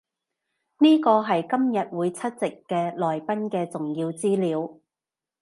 呢個係今日會出席嘅來賓嘅重要資料